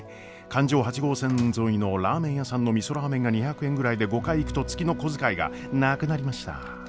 環状８号線沿いのラーメン屋さんのみそラーメンが２００円ぐらいで５回行くと月の小遣いがなくなりましたぁ。